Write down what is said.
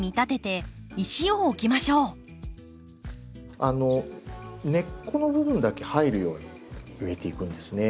あの根っこの部分だけ入るように植えていくんですね。